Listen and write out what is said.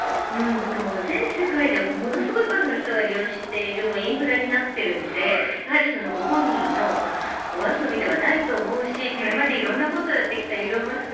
だって全世界でものすごい数の人が利用しているインフラになっているのでご本人のお遊びではないと思うしこれまで色んなことをやってきたイーロン・マスク